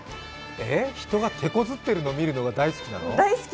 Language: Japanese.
人が手こずってるの見るの大好きなの？